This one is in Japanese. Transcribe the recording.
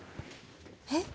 「えっ？」